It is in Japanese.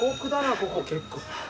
ここ結構。